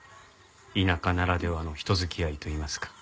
田舎ならではの人付き合いといいますか。